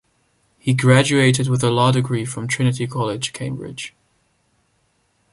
He graduated with a law degree from Trinity College, Cambridge.